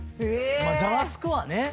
まあざわつくわね。